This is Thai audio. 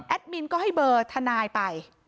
มินก็ให้เบอร์ทนายไป